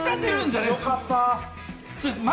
良かった！